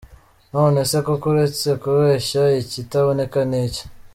None se koko uretse kubeshya, ikitaboneka ni iki?!